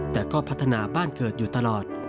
แต่ก็พัฒนาบ้านเกิดอยู่ตลอด